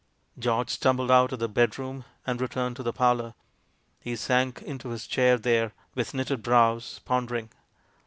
George stumbled out of the bedroom and re turned to the parlour ; he sank into his chair there, with knitted brows, pondering.